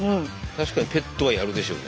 確かにペットはやるでしょうねこれ。